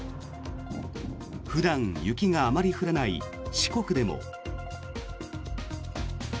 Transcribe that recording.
普段雪があまり降らない四国でも。